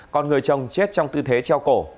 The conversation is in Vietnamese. còn người chồng chết trong tư thế treo cổ